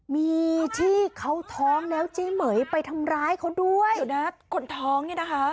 มีที่เขาท้องแล้วเจ๊เหม๋ยไปทำร้ายเขาด้วยเดี๋ยวนะคนท้องเนี่ยนะคะ